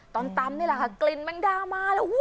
ตอนตำนี่ล่ะค่ะกลิ่นมันดามากแล้ว